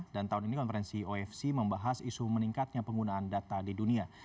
dan tahun ini konferensi ofc membahas isu meningkatnya penggunaan data di dunia